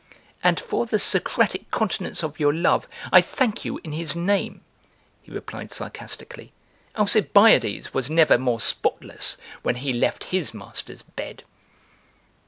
"And for the Socratic continence of your love, I thank you in his name," (he replied sarcastically,) "Alcibiades was never more spotless when he left his master's bed!"